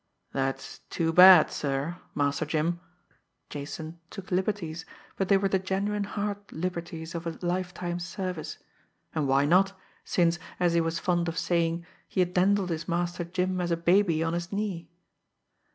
"That's too bad, sir, Master Jim." Jason took liberties; but they were the genuine heart liberties of a lifetime's service and why not, since, as he was fond of saying, he had dandled his Master Jim as a baby on his knee!